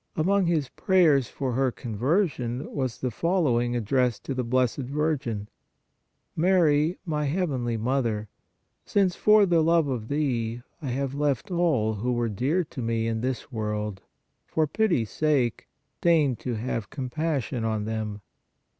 " Among his prayers for her conversion was the following addressed to the Blessed Virgin :" Mary, my heavenly Mother, since, for the love of thee, I have left all who were dear to me in this world, for pity s sake, deign to have compassion on them.